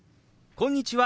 こんにちは！